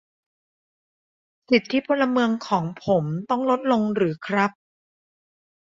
สิทธิพลเมืองของผมต้องลดลงหรือครับ